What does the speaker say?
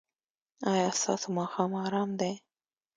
ایا ستاسو ماښام ارام دی؟